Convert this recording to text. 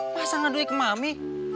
masa gak duit ke mami